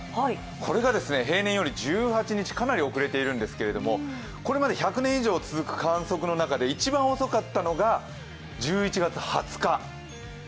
これが平年より１８日、かなり遅れているんですがこれまで１００年以上観測している中で一番遅かったのが１１月２０日。